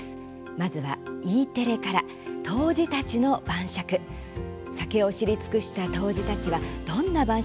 まずは、Ｅテレから「杜氏たちの晩酌」。